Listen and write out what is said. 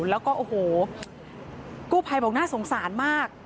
แล้วก็โอ้โหกู้ภัยบอกน่าสงสารมาก